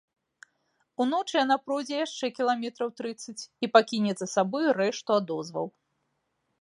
Уночы яна пройдзе яшчэ кіламетраў трыццаць і пакіне за сабой рэшту адозваў.